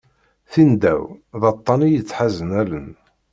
Tindaw, d aṭṭan i yettḥazen allen.